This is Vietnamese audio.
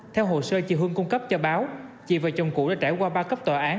theo hồ sơ chị hương cung cấp cho báo chị và chồng cũ đã trải qua ba cấp tòa án